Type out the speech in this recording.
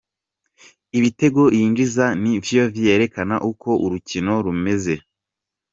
Ibitego yinjiza ni vyo vyerekana uko urukino rumeze.